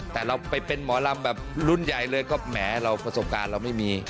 แต่เราไปเป็นหมอลำแบบรุ่นใหญ่เลยก็แหมเราประสบการณ์เราไม่มี